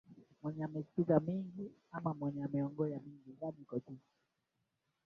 Viti havijatosha